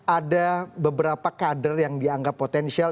ada beberapa kader yang dianggap potensial